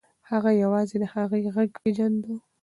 هغه یوازې د هغې غږ پیژانده.